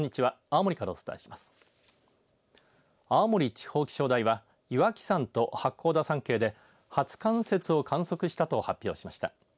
青森地方気象台は岩木山と八甲田山系で初冠雪を観測したと発表しました。